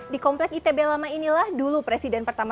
di komplek itb lama inilah dulu presiden pertama